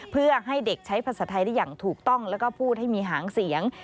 เพื่อให้เด็กใช้ภาษาไทยได้อย่างถูกต้องแล้วก็พูดให้มีหางเสียง